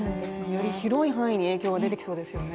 より広い範囲に影響が出てきそうですよね。